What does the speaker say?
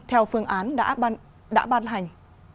theo phương án đã ban hành